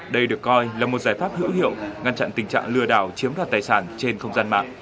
đây được coi là một giải pháp hữu hiệu ngăn chặn tình trạng lừa đảo chiếm đoạt tài sản trên không gian mạng